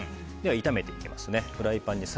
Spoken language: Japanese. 炒めていきますね。